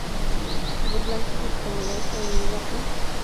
De planta rectangular está dividida en dos cuerpos mediante una línea de imposta.